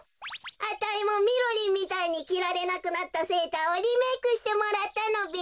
あたいもみろりんみたいにきられなくなったセーターをリメークしてもらったのべ。